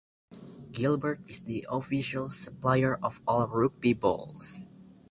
Gilbert is the official supplier of all rugby balls.